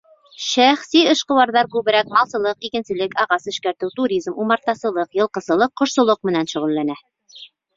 Шәхси эшҡыуарҙар күберәк малсылыҡ, игенселек, ағас эшкәртеү, туризм, умартасылыҡ, йылҡысылыҡ, ҡошсолоҡ менән шөғөлләнә.